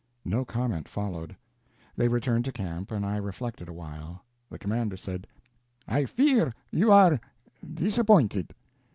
No comment followed. They returned to camp, and I reflected a while. The commander said: "I fear you are disappointed."